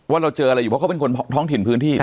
ว่าเราเจออะไรอยู่เพราะเขาเป็นคนท้องถิ่นพื้นที่